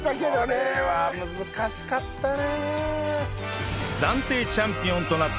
これは難しかったね。